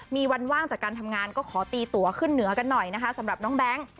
มีวันว่างจากการทำงานก็ขอตีตัวขึ้นเหนือกันหน่อยนะคะสำหรับน้องแบงค์